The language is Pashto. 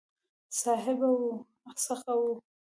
صحابه وو څخه وو.